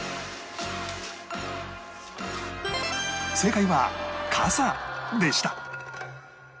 正解は傘でした